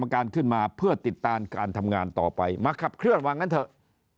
การขึ้นมาเพื่อติดตามการทำงานต่อไปมาขับเคลื่อนว่างั้นเถอะ